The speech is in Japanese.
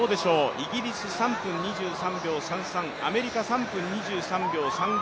イギリス３分２３秒３３。アメリカ３分３３秒３５。